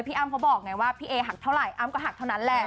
อ้ำเขาบอกไงว่าพี่เอหักเท่าไหร่อ้ำก็หักเท่านั้นแหละ